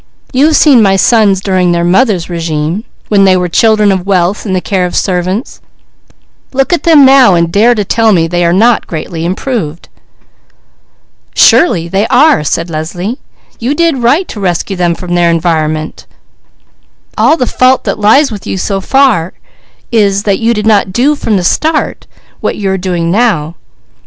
You have seen my sons during their mother's régime, when they were children of wealth in the care of servants; look at them now and dare to tell me that they are not greatly improved." "Surely they are!" said Leslie. "You did right to rescue them from their environment; all the fault that lies with you so far is, that you did not do from the start what you are now doing.